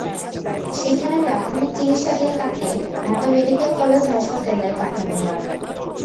সেখানে প্রাথমিক চিকিৎসা দিয়ে তাঁকে ঢাকা মেডিকেল কলেজ হাসপাতালে পাঠানো হয়।